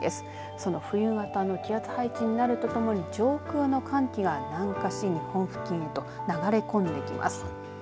その冬型の気圧配置になるとともに上空の寒気が南下し日本付近へと流れ込んできます。